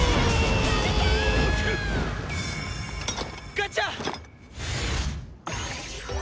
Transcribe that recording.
ガッチャ！